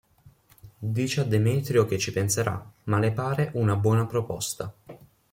Dice a Demetrio che ci penserà, ma le pare una buona proposta.